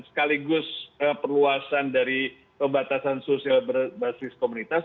sekaligus perluasan dari pembatasan sosial berbasis komunitas